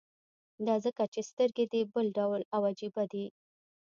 دا ځکه چې سترګې دې بل ډول او عجيبه دي.